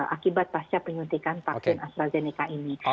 akibat pasca penyuntikan vaksin astrazeneca ini